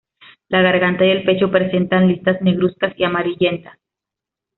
La garganta y el pecho presentan listas negruzcas y amarillentas.